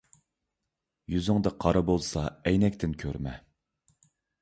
يۈزۈڭدە قارا بولسا ئەينەكتىن كۆرمە.